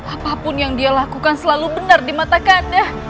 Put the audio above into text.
apapun yang dia lakukan selalu benar di mata kanda